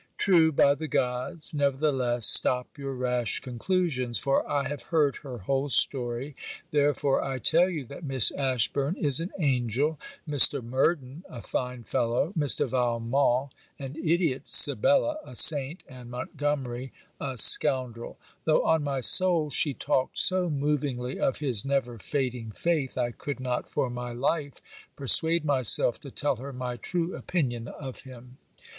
True, by the Gods! Nevertheless, stop your rash conclusions, for I have heard her whole story, therefore I tell you that Miss Ashburn is an angel, Mr. Murden a fine fellow, Mr. Valmont an idiot, Sibella a saint, and Montgomery a scoundrel: though on my soul she talked so movingly of his never fading faith I could not for my life persuade myself to tell her my true opinion of him.